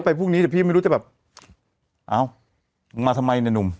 พรุ่งนี้แต่พี่ไม่รู้จะแบบเอ้ามาทำไมเนี่ยหนุ่ม